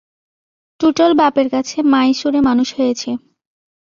টুটল বাপের কাছে মাইসোরে মানুষ হয়েছে।